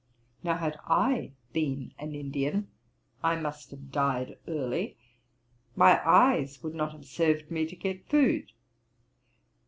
Now had I been an Indian, I must have died early; my eyes would not have served me to get food.